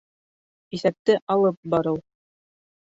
Иҫәпте алып барыу